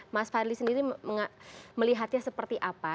mas fadli sendiri melihatnya seperti apa